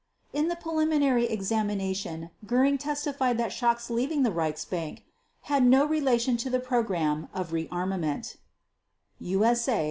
In the preliminary examination Göring testified that Schacht's leaving the Reichsbank "had no relation to the program of rearmament" (USA 648).